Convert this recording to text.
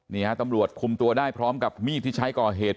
นี่ฮะตำรวจคุมตัวได้พร้อมกับมีดที่ใช้ก่อเหตุ